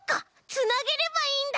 つなげればいいんだ！